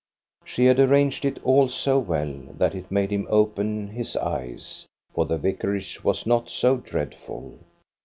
She had arranged it all so well that it made him open his eyes, for the vicarage was not so dreadful.